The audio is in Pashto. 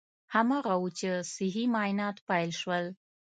هماغه و چې صحي معاینات پیل شول.